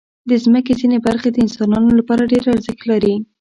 د مځکې ځینې برخې د انسانانو لپاره ډېر ارزښت لري.